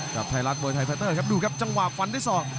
กับไทรัฐมวยไทร์ไฟเตอร์ครับดูครับจังหวะฝันที่สอง